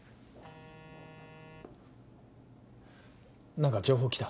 何か情報来た？